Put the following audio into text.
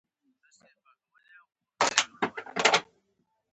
که خیال ورک شي، باور نهشي پاتې کېدی.